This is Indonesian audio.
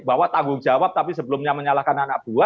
bahwa tanggung jawab tapi sebelumnya menyalahkan anak buah